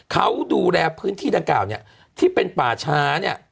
เขาดูแลพื้นที่ดังกล่าวเนี่ยที่เป็นป่าช้าเนี่ย